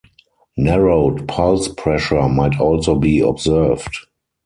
Narrowed pulse pressure might also be observed.